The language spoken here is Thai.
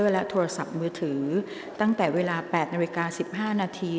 และโทรศัพท์มือถือตั้งแต่เวลา๘นาฬิกา๑๕นาที